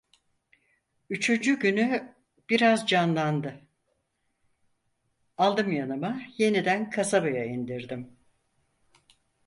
Üçüncü günü biraz canlandı, aldım yanıma, yeniden kasabaya indirdim.